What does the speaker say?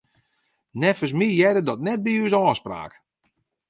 Neffens my hearde dat net by ús ôfspraak.